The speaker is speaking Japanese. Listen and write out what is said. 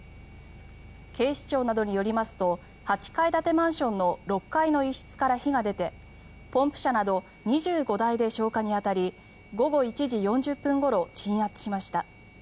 警視庁などによりますと８階建てマンションの６階の一室から火が出てポンプ車など２５台で消火に当たり午後１時４０分ごろ鎮圧しました。